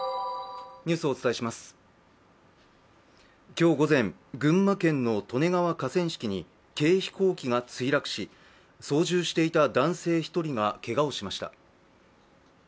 今日午前、群馬県の利根川河川敷に軽飛行機が墜落し、操縦していた男性１人がけがをしました。